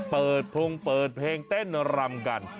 เปิดพรงเปิดเพลงเต้นรำกัน